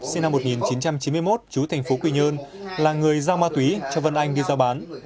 sinh năm một nghìn chín trăm chín mươi một chú thành phố quy nhơn là người giao ma túy cho vân anh đi giao bán